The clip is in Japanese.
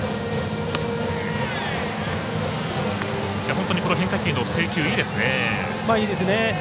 本当に変化球の制球いいですね。